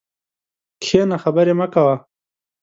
کښېنه خبري مه کوه!